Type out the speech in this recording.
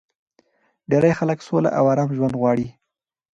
ډېری خلک سوله او ارام ژوند غواړي